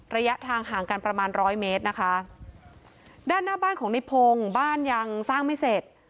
ระยะทางห่างกันประมาณร้อยเมตรนะคะด้านหน้าบ้านของในพงศ์บ้านยังสร้างไม่เสร็จ